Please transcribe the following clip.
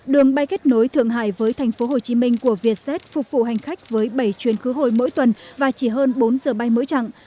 đường bay kết nối thượng hải với tp hcm của vietjet phục vụ hành khách với bảy chuyến khứ hồi mỗi tuần và chỉ hơn bốn giờ bay mỗi chặng